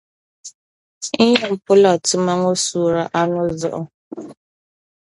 N yɛn pula tuma ŋɔ suuri anu zuɣu